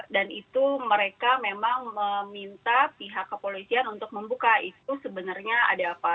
dan itu mereka memang meminta pihak kepolisian untuk membuka itu sebenarnya ada apa